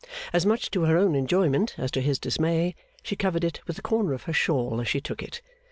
As much to her own enjoyment as to his dismay, she covered it with a corner of her shawl as she took it.